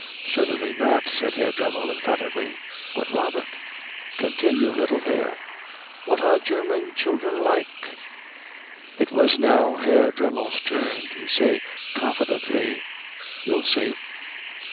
"Certainly not," said Herr Dremmel emphatically. "But Robert " "Continue, little hare." "What are German children like?" It was now Herr Dremmel's turn to say confidently, "You'll see."